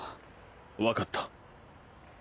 わかった。